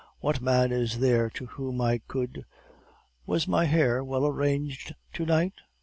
What man is there to whom I could ? Was my hair well arranged to night?